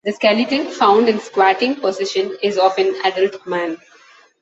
The skeleton, found in a squatting position, is of an adult man.